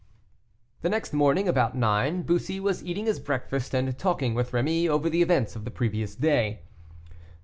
The next morning, about nine, Bussy was eating his breakfast, and talking with Rémy over the events of the previous day.